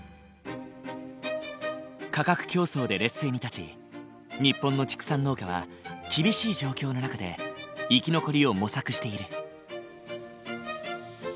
価格競争で劣勢に立ち日本の畜産農家は厳しい状況の中で生き残りを模索している。